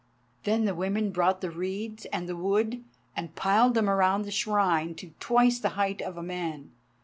Then the women brought the reeds and the wood, and piled them around the Shrine to twice the height of a man.